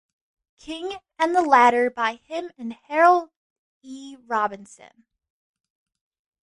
King and the latter by him and Harold E. Robinson.